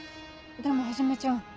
でもはじめちゃん